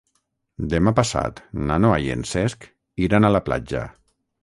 Demà passat na Noa i en Cesc iran a la platja.